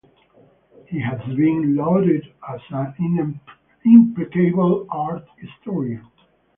He has been lauded as ‘an impeccable art historian’.